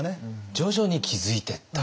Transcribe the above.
徐々に気付いていった？